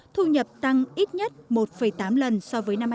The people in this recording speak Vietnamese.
thu nhập tăng ít nhất một tám lần so với năm hai nghìn một mươi